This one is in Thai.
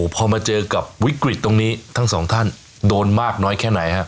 พอมาเจอกับวิกฤตตรงนี้ทั้งสองท่านโดนมากน้อยแค่ไหนฮะ